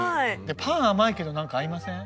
パン甘いけど何か合いません？